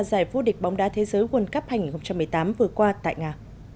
giải vô địch bóng đá thế giới world cup hai nghìn một mươi tám vừa qua tại nga